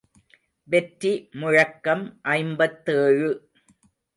வெற்றி முழக்கம் ஐம்பத்தேழு.